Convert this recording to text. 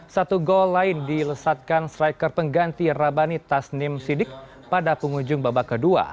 satu gol lain dilesatkan striker pengganti rabani tasnim sidik pada penghujung babak ke dua